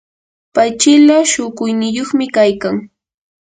pay chila shukuyniyuqmi kaykan.